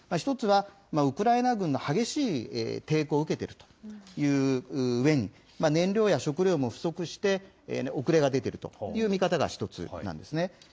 １つは、ウクライナ軍の激しい抵抗を受けてるといううえに、燃料や食料も不足して、遅れが出ているという見方が１つなんですね。